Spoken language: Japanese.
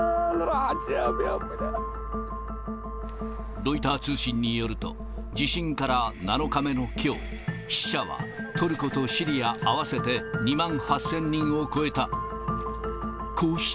ロイター通信によると、地震から７日目のきょう、死者はトルコとシリア合わせて２万８０００人を超えた。